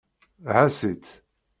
Ɛass-itt.